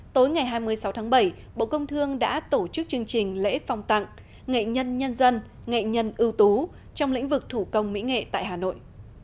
tối ngày hai mươi sáu tháng bảy bộ công thương đã tổ chức chương trình lễ phòng tặng nghệ nhân nhân dân nghệ nhân ưu tú trong lĩnh vực thủ công mỹ nghệ tại hà nội